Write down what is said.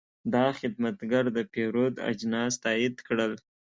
دا خدمتګر د پیرود اجناس تایید کړل.